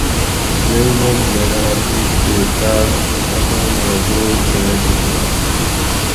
یئ بوب گناۤر ہُوش تے تاۤس اپان رہ بوجھ گنڑلی کرنش